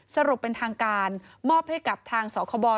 สรุปเป็นทางการมอบให้กับทางสคบ